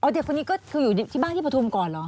เด็กคนนี้ก็คืออยู่ที่บ้านที่ปฐุมก่อนเหรอ